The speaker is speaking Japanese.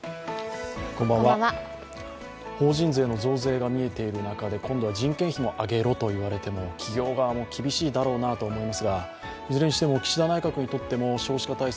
法人税の増税が見えている中で今度は人件費を上げろと言われても企業側も厳しいだろうなと思いますが、いずれにしても岸田内閣にとっても少子化対策